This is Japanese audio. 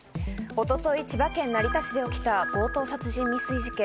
一昨日、千葉県成田市で起きた強盗殺人未遂事件。